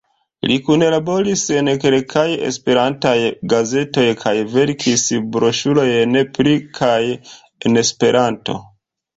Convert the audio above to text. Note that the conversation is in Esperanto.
Li kunlaboris en kelkaj esperantaj gazetoj, kaj verkis broŝurojn pri kaj en Esperanto.